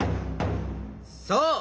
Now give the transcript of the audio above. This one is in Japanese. そう！